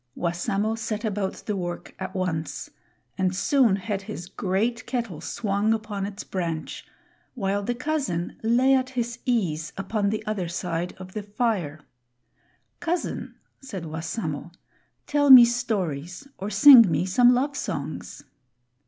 Wassamo set about the work at once and soon had his great kettle swung upon its branch, while the cousin lay at his ease upon the other side of the fire. "Cousin," Said Wassamo, "tell me stories or sing me some love songs."